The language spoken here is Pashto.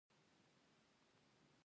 مشاجره په لغت کې کشمکش ته وایي.